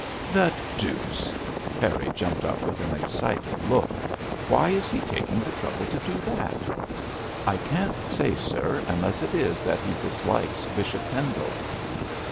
'The deuce!' Harry jumped up with an excited look. 'Why is he taking the trouble to do that?' 'I can't say, sir, unless it is that he dislikes Bishop Pendle!'